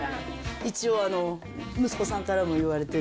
一応、息子さんからも言われてる。